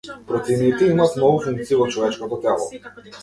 Протеините имаат многу функции во човечкото тело.